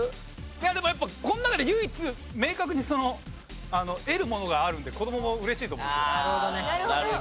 いやでもやっぱこの中で唯一明確に得るものがあるので子どもも嬉しいと思うんですよ。